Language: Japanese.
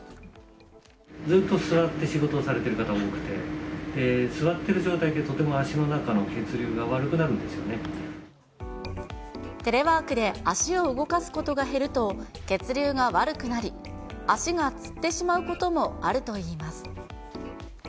ずっと座って仕事をされてる方多くて、座ってる状態って、とても足の中の血流が悪くなるんテレワークで足を動かすことが減ると、血流が悪くなり、足がつってしまうこともあるといいます。